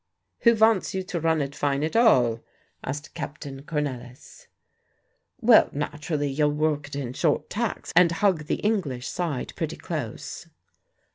"Who wants you to run it fine at all?" asked Captain Cornelisz. "Well, naturally you'll work it in short tacks and hug the English side pretty close."